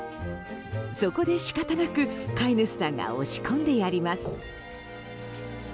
そこで、仕方なく飼い主さんが押し込んでやります。